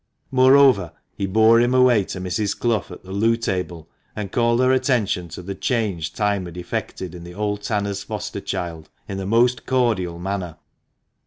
Moreover, he bore him away to Mrs. Clough, at the loo table, and called her attention to the change time had effected in the old tanner's foster child, in the most cordial manner.